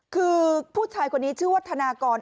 คือผู้ชายคนนี้ชื่อว่าธนากร